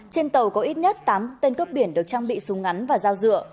trên tàu có ít nhất tám tên cướp biển được trang bị súng ngắn và dao dựa